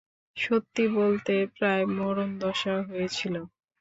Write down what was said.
সত্যি বলতে, প্রায় মরণ দশা হয়েছিল।